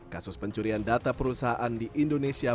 kasus pencurian data perusahaan di indonesia